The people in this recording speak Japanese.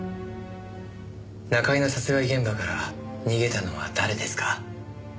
中居の殺害現場から逃げたのは誰ですか？